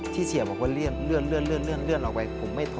ที่เหสี่ยว่าเล่นออกไป